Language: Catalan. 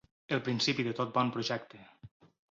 El principi de tot bon projecte.